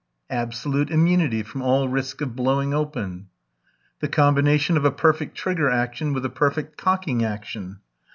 "Absolute immunity from all risk of blowing open." "The combination of a perfect trigger action with a perfect cocking action."